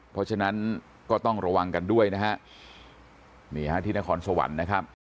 เพราะฉะนั้นก็ต้องระวังกันด้วยนะฮะนี่ฮะที่นครสวรรค์นะครับ